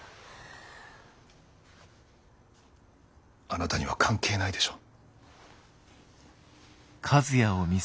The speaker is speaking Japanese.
あなたには関係ないでしょ。